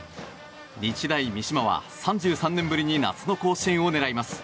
日大三島は３３年ぶりに夏の甲子園を狙います。